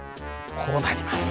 こうなります。